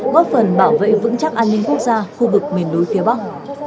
góp phần bảo vệ vững chắc an ninh quốc gia khu vực miền núi phía bắc